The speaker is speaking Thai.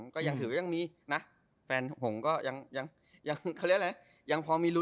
ก็ยังถือว่ายังมีนะแฟนผมก็ยังพอมีรุ้น